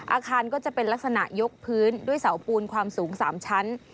อาคารก็จะเป็นลักษณะยกพื้นด้วยเสาปูนความสูง๓ชั้น